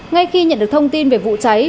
ngay khi nhận được thông tin về vụ cháy